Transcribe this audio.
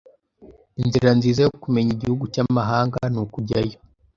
Inzira nziza yo kumenya igihugu cyamahanga nukujyayo.